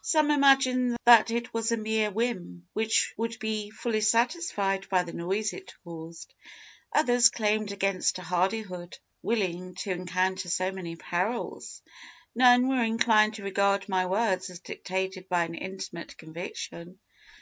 Some imagined that it was a mere whim which would be fully satisfied by the noise it caused. Others exclaimed against a hardihood willing to encounter so many perils. None were inclined to regard my words as dictated by an intimate conviction.